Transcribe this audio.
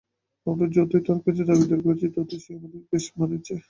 আমরা যতই তার কাছে দাবি করেছি ততই সে আমাদের বশ মেনেছে।